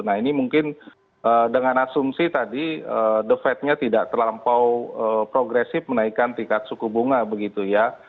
nah ini mungkin dengan asumsi tadi the fednya tidak terlampau progresif menaikkan tingkat suku bunga begitu ya